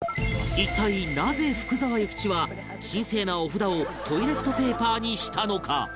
一体なぜ福沢諭吉は神聖な御札をトイレットペーパーにしたのか？